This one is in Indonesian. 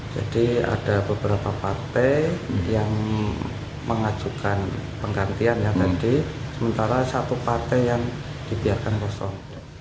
jadi ada beberapa partai yang mengajukan penggantian yang tadi sementara satu partai yang dibiarkan kosong